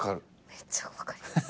めっちゃ分かります。